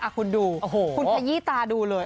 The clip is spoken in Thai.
คุณดูคุณขยี้ตาดูเลย